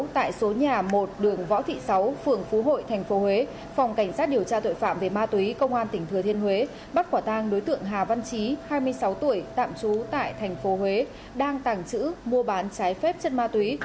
tại số nhà một đường võ thị xã phường phú hội tp huế phòng cảnh sát điều tra tội phạm về ma túy công an tỉnh thừa thiên huế bắt quả tàng đối tượng hà văn chí hai mươi sáu tuổi tạm trú tại tp huế đang tàng trữ mua bán trái phép chất ma túy